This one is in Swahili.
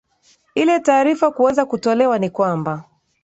ile taarifa kuweza kutolewa ni kwamba